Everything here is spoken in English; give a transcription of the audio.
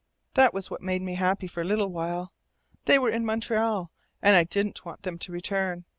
That was what made me happy for a little while. They were in Montreal, and I didn't want them to return.